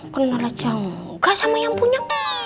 kenal aja nggak sama yang punya